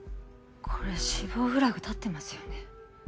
これ死亡フラグ立ってますよね？